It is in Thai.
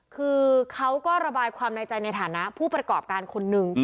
คือเขาก็ระบายความในใจในฐานะผู้ประกอบการคนหนึ่ง